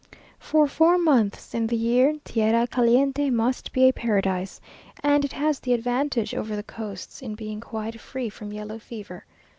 For four months in the year, tierra caliente must be a paradise, and it has the advantage over the coasts, in being quite free from yellow fever.